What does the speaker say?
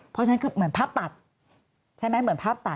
เพราะฉะนั้นเหมือนภาพตัด